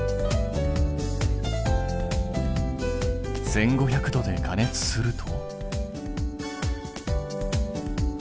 １，５００度で加熱すると。